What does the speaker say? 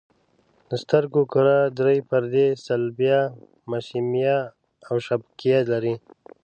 د سترګو کره درې پردې صلبیه، مشیمیه او شبکیه لري.